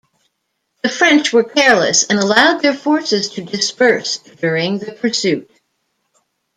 The French were careless and allowed their forces to disperse during the pursuit.